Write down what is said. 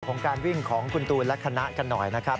ของการวิ่งของคุณตูนและคณะกันหน่อยนะครับ